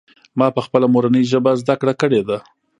ما پخپله مورنۍ ژبه زده کړه کړې ده.